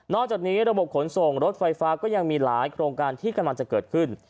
จากนี้ระบบขนส่งรถไฟฟ้าก็ยังมีหลายโครงการที่กำลังจะเกิดขึ้น